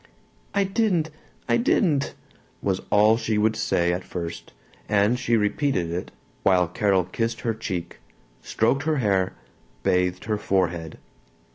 "I didn't! I didn't!" was all she would say at first, and she repeated it while Carol kissed her cheek, stroked her hair, bathed her forehead.